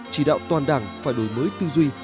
chỉ đạo toàn đảng phải đổi mới tư duy